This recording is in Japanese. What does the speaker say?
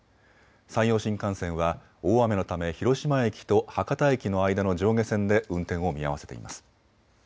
山陽新幹線は大雨のため広島駅と博多駅の間の上下線で運転を見合わせています。